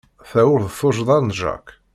Ta ur d tuccḍa n Jack.